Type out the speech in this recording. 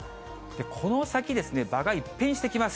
この先ですね、場が一変してきます。